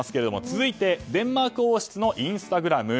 続いてデンマーク王室のインスタグラム。